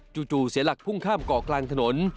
จู่เหลือเสียหลักพุ่งข้ามก่อกลางถนน